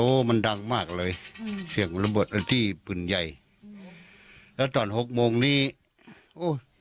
มันดังมากเลยอืมเสียงระเบิดที่ปืนใหญ่แล้วตอนหกโมงนี้โอ้ย